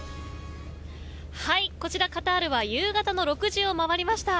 こちらカタールは夕方の６時を回りました。